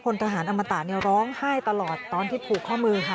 ทหารอมตะเนี่ยร้องไห้ตลอดตอนที่ผูกข้อมือค่ะ